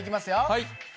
はい。